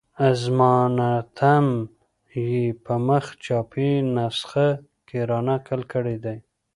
اظماننتم یې په مخ چاپي نسخه کې را نقل کړی دی.